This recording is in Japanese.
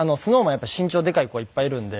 やっぱり身長でかい子がいっぱいいるんで。